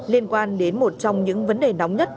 liên quan đến một trong những vấn đề nóng nhất